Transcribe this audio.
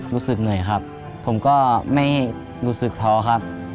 รู้สึกเหนื่อยครับผมก็ไม่รู้สึกท้อครับ